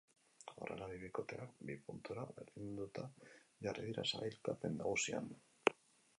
Horrela, bi bikoteak bi puntura berdinduta jarri dira sailkapen nagusian.